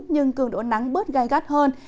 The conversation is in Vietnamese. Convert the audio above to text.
nhưng cường độ nắng bớt gai gắt hơn